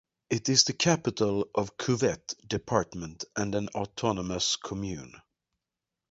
It is the capital of Cuvette Department and an autonomous commune.